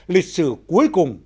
lịch sử cuối cùng